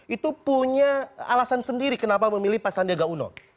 itu punya alasan sendiri kenapa memilih pak sandiaga uno